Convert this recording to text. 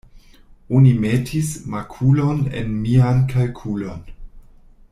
Oni metis makulon en mian kalkulon.